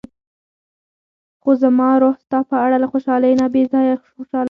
خو زما روح ستا په اړه له خوشحالۍ نه بې ځايه خوشاله و.